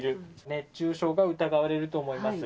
熱中症が疑われると思います。